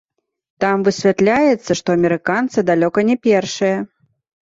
Там высвятляецца, што амерыканцы далёка не першыя.